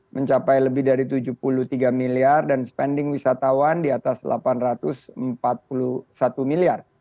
mencapai lebih dari tujuh puluh tiga miliar dan spending wisatawan di atas delapan ratus empat puluh satu miliar